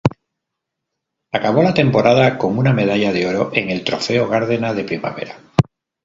Acabó la temporada con una medalla de oro en el Trofeo Gardena de Primavera.